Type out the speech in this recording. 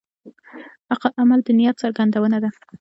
عمل د نیت څرګندونه ده.